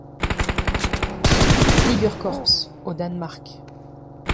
Fliegerkorps au Danemark.